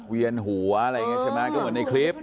เวียนหัวอะไรอย่างนี้ใช่ไหมก็เหมือนในคลิป